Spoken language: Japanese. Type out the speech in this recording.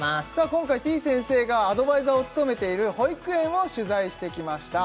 今回てぃ先生がアドバイザーを務めている保育園を取材してきました